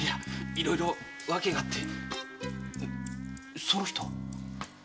いろいろ訳があってその人は？